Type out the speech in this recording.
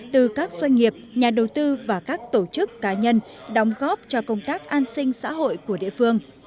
từ các doanh nghiệp nhà đầu tư và các tổ chức cá nhân đóng góp cho công tác an sinh xã hội của địa phương